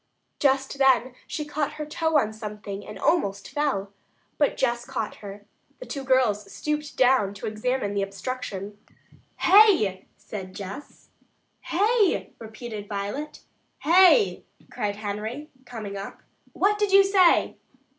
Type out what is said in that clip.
Just then she caught her toe in something and almost fell, but Jess caught her. The two girls stooped down to examine the obstruction. "Hay!" said Jess. "Hay!" repeated Violet. "Hey!" cried Henry, coming up. "What did you say?"